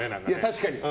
確かに。